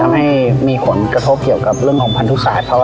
ไม่มีคนกระโทษเกี่ยวกับเรื่องห่อมพันธุ์สาช